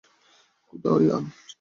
খোদা, ইয়ান!